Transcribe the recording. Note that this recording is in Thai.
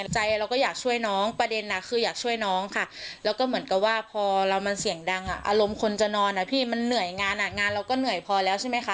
เราก็อยากช่วยน้องประเด็นน่ะคืออยากช่วยน้องค่ะแล้วก็เหมือนกับว่าพอเรามันเสียงดังอารมณ์คนจะนอนอ่ะพี่มันเหนื่อยงานอ่ะงานเราก็เหนื่อยพอแล้วใช่ไหมคะ